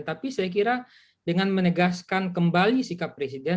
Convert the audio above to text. tapi saya kira dengan menegaskan kembali sikap presiden